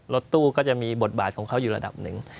รถตู้ก็จะมีบทบาทของเขาอยู่ระดับหนึ่ง